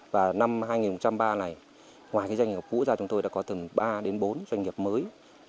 và năm hai nghìn ba này ngoài doanh nghiệp cũ ra chúng tôi đã có từ ba đến bốn doanh nghiệp mới